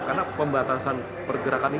karena pembatasan pergerakan ini